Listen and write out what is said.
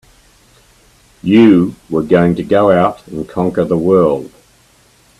You were going to go out and conquer the world!